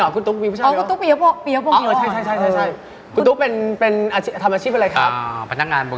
ก็ได้เรื่อยครับ